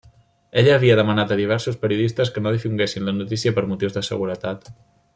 Ella havia demanat a diversos periodistes que no difonguessin la notícia per motius de seguretat.